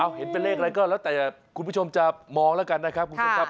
เห็นเป็นเลขอะไรก็แล้วแต่คุณผู้ชมจะมองแล้วกันนะครับคุณผู้ชมครับ